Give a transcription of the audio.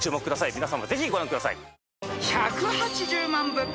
皆さまぜひご覧ください。